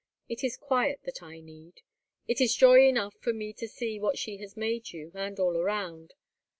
It is quiet that I need. It is joy enough for me to see what she has made you, and all around.